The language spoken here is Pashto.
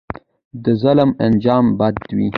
د ظلم انجام بد وي